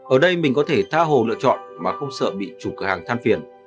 ở đây mình có thể tha hồ lựa chọn mà không sợ bị chủ cửa hàng than phiền